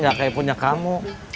gak kayak punya kamu